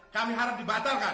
kami harap dibatalkan